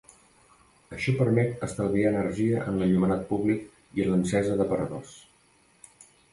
Això permet estalviar energia en l'enllumenat públic i en l'encesa d'aparadors.